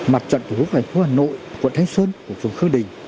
mặt trận tổ quốc hà nội quận thánh xuân quận phường khương đình